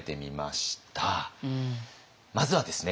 まずはですね